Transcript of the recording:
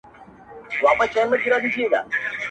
له ازله د خپل ځان په وینو رنګ یو.!